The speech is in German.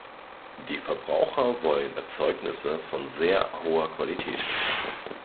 Die Verbraucher wollen Erzeugnisse von sehr hoher Qualität.